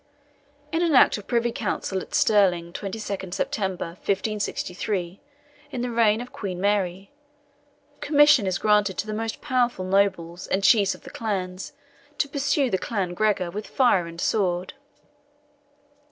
In an act of Privy Council at Stirling, 22d September 1563, in the reign of Queen Mary, commission is granted to the most powerful nobles, and chiefs of the clans, to pursue the clan Gregor with fire and sword.